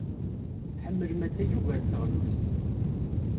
Tḥemmlem atay ugar n teɣlust.